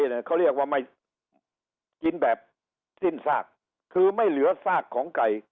เขาเรียกว่าไม่กินแบบสิ้นซากคือไม่เหลือซากของไก่